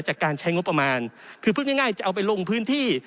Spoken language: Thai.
จากการใช้งบประมาณคือพูดง่ายจะเอาไปลงพื้นที่